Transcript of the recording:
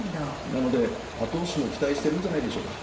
なので後押しも期待してるんじゃないでしょうか。